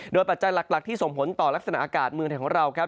ปัจจัยหลักที่ส่งผลต่อลักษณะอากาศเมืองไทยของเราครับ